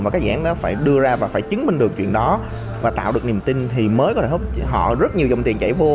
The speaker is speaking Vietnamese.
và các dự án đó phải đưa ra và phải chứng minh được chuyện đó và tạo được niềm tin thì mới có thể giúp họ rất nhiều dòng tiền chảy vô